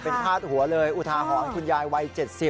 เป็นพาดหัวเลยอุทาหรณ์คุณยายวัย๗๐